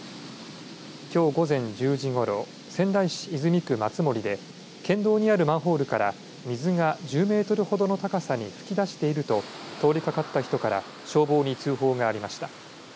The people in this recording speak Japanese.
きょう午前１０時ごろ仙台市泉区松森で県道にあるマンホールから水が１０メートルほどの高さに噴き出していると通りかかった人から消防に通報がありました。